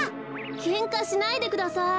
けんかしないでください。